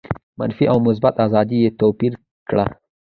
منفي او مثبته آزادي یې توپیر کړه.